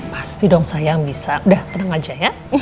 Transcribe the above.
pasti dong sayang bisa dah tenang aja ya